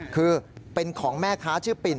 คือเป็นของแม่ค้าชื่อปิน